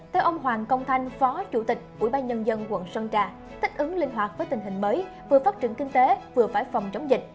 theo ông hoàng công thanh phó chủ tịch ubnd quận sơn trà thích ứng linh hoạt với tình hình mới vừa phát triển kinh tế vừa phải phòng chống dịch